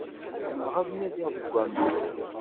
Ḥemmleɣ ad nadiɣ deg aman.